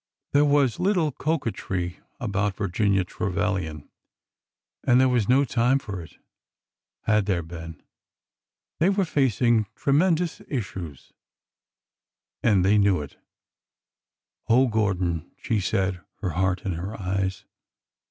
There was little coquetry about Virginia Trevilian, and this was no time for it, had there been. They were facing tremendous issues, and they knew it. '' Oh, Gordon 1 " she said, her heart in her eyes.